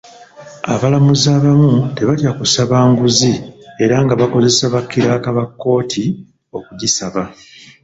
Abalamuzi abamu tebatya kusaba nguzi era nga bakozesa bakiraaka ba kkooti okugisaba.